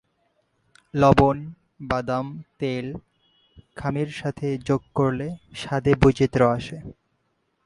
লবণ, বাদাম তেল খামির সাথে যোগ করলে স্বাদে বৈচিত্র্য আসে।